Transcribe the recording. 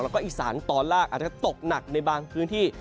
แล้วก็อีสานตอนล่างอาจจะตกหนักในบางพื้นที่